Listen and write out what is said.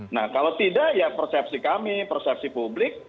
nah kalau tidak ya persepsi kami persepsi publik